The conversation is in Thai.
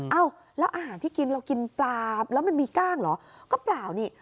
เอ้าแล้วอาหารที่กินเรากินปลาแล้วมันมีกล้างเหรอก็เปล่านี่